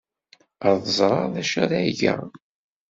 Ad ẓreɣ d acu ara geɣ.